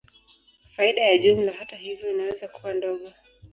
Faida ya jumla, hata hivyo, inaweza kuwa ndogo.